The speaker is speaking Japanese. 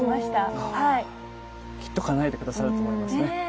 きっとかなえて下さると思いますね。